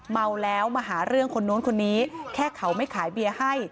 เมาแล้วมาหาเรื่องคนนู้นคนนี้แค่เขาไม่ขายเบียร์ให้